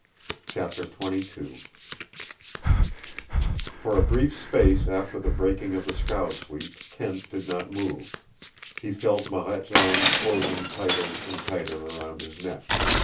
CHAPTER XXII For a brief space after the breaking of the scow sweep Kent did not move. He felt Marette's arms closing tighter and tighter around his neck.